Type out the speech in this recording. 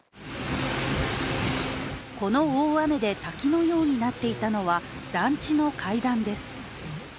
この大雨で滝のようになっていたのは団地の階段です。